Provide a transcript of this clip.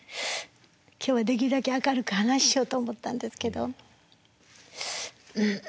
今日はできるだけ明るく話しようと思ったんですけど。